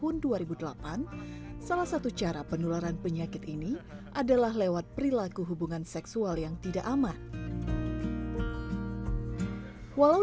nggak ada satu satu